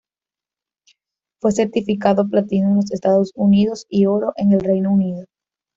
Fue certificado platino en los Estados Unidos y oro en el Reino Unido.